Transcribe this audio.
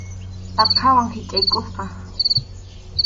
Aqhawan hichʼaykusqa.